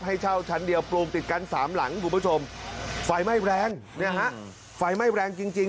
ให้เจ้าชั้นเดียวปลูกติดกันสามหลังผู้ประชมไฟไม่แรงไฟไม่แรงจริง